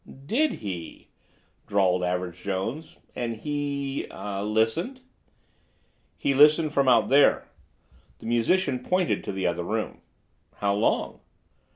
"Did he?" drawled Average Jones. "And he—er—listened?" "He listened from out there." The musician pointed to the other room. "How long?"